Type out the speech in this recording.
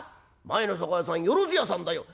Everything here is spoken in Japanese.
「前の酒屋さん万屋さんだよ」。